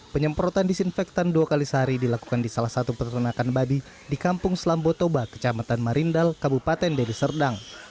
penyemprotan disinfektan dua kali sehari dilakukan di salah satu peternakan babi di kampung selam botoba kecamatan marindal kabupaten deli serdang